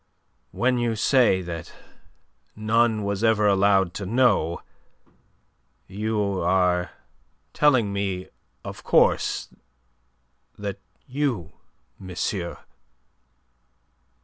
"When you say that none was ever allowed to know, you are telling me, of course, that you, monsieur..."